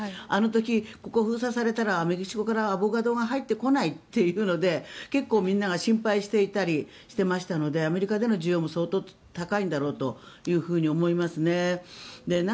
あの時、ここを封鎖されたらメキシコからアボカドが入ってこないというので結構みんなが心配していたりしましたのでアメリカでの需要も相当高いんだろうと思います。